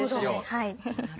はい。